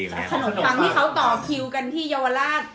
ขนมปังที่เขาต่อคิวกันที่เยาวราช